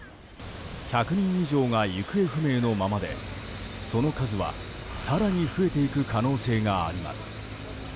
１００人以上が行方不明のままでその数は、更に増えていく可能性があります。